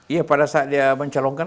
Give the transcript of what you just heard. iya pada saat dia mencalonkan